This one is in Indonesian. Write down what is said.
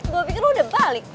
gue pikir udah balik